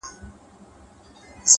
• که هر څو دي په لاره کي گړنگ در اچوم؛